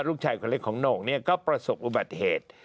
ลูกชายคนเล็กของโหน่งก็ประสบอุบัติเหตุ